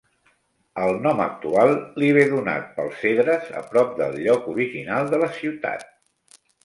El nom actual li ve donat pel cedres a prop del lloc original de la ciutat.